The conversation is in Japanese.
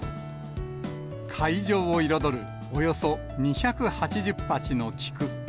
会場を彩るおよそ２８０鉢の菊。